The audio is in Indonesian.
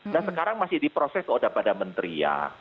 dan sekarang masih diproses kepada menteri ya